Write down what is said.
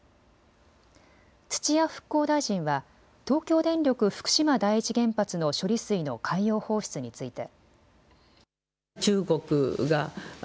土屋復興大臣は東京電力福島第一原発の処理水の海洋放出について。